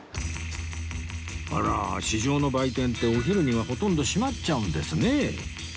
あら市場の売店ってお昼にはほとんど閉まっちゃうんですね